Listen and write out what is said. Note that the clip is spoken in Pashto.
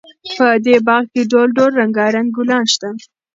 په دې باغ کې ډول ډول رنګارنګ ګلان شته.